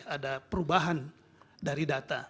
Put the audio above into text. ada perubahan dari data